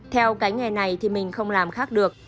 theo cái nghề này thì mình không làm khác được